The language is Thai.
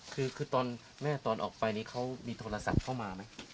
คือตอนแม่ตอนออกไปนี่เขามีโทรศัพท์เข้ามาไหม